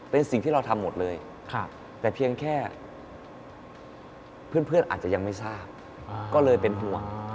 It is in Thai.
เป็นสิ่งที่เราทำหมดเลยแต่เพียงแค่เพื่อนอาจจะยังไม่ทราบก็เลยเป็นห่วง